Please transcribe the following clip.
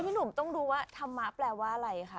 หนุ่มต้องรู้ว่าธรรมะแปลว่าอะไรคะ